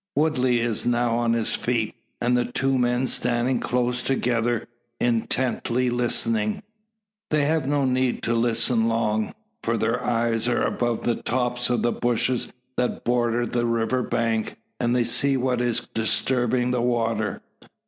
Woodley is now on his feet, and the two men standing close together, intently listen. They have no need to listen long; for their eyes are above the tops of the bushes that border the river's bank, and they see what is disturbing the water.